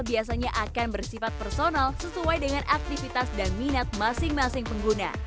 biasanya akan bersifat personal sesuai dengan aktivitas dan minat masing masing pengguna